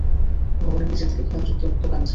ভবনের নিচের দিকে খিলানযুক্ত দোকান আছে।